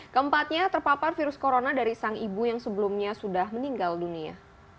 keempatnya terpapar virus corona dari sang ibu yang sebelumnya sudah meninggal dunia